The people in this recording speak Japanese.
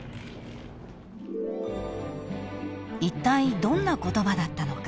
［いったいどんな言葉だったのか？］